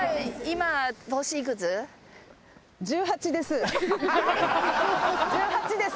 １８です。